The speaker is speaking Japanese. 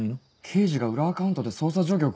刑事が裏アカウントで捜査状況